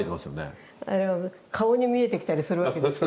でも顔に見えてきたりするわけですよ